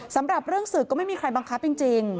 สำหรับเรื่องศึกก็ไม่มีใครบังคับจริง